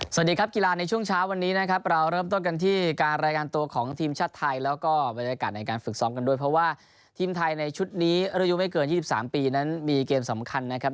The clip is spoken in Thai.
สวัสดีครับกีฬาในช่วงเช้าวันนี้นะครับเราเริ่มต้นกันที่การรายงานตัวของทีมชาติไทยแล้วก็บรรยากาศในการฝึกซ้อมกันด้วยเพราะว่าทีมไทยในชุดนี้อายุไม่เกิน๒๓ปีนั้นมีเกมสำคัญนะครับ